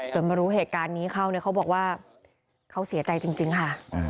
มารู้เหตุการณ์นี้เข้าเนี่ยเขาบอกว่าเขาเสียใจจริงค่ะ